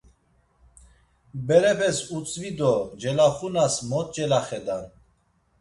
Berepes utzvi do celaxunas mot celaxedan.